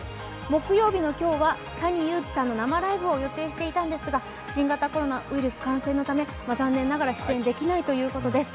木曜日の今日はＴａｎｉＹｕｕｋｉさんの生ライブを予定していたんですが、新型コロナウイルス感染のため、残念ながら出演できないということです。